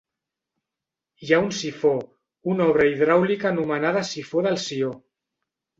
Hi ha un sifó, una obra hidràulica anomenada Sifó del Sió.